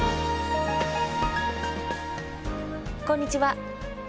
こんにちは。